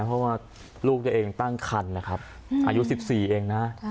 เพราะว่าลูกตัวเองตั้งคันนะครับอายุ๑๔เองนะ